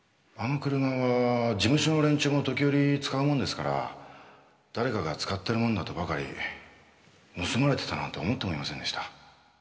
あの車は事務所の連中も時折使うもんですから誰かが使ってるもんだとばかり。盗まれてたなんて思ってもみませんでした。